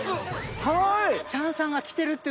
はい！